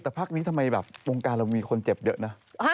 แต่พักนี้ทำไมแบบวงการเรามีคนเจ็บเยอะนะ